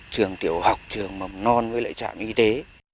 trường tiểu học trường mầm non với lại trạm y tế